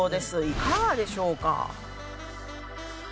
いかがでしょうか？